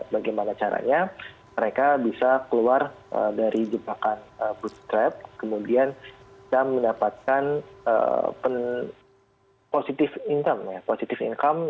bagaimana caranya mereka bisa keluar dari jebakan food trap kemudian bisa mendapatkan positive income ya positive income